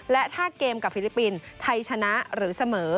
และถ้าเกมกับฟิลิปปินส์ไทยชนะหรือเสมอ